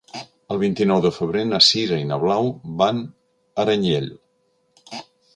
El vint-i-nou de febrer na Sira i na Blau van a Aranyel.